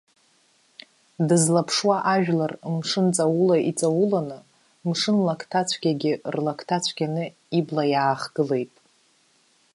Дызлаԥшуа ажәлар мшынҵаула иҵауланы, мшынлакҭацәгьагьы рлакҭа цәгьаны, ибла иаахгылеит.